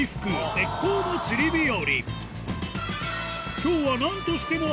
絶好の釣り日和